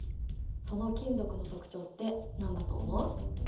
その金属の特徴って何だと思う？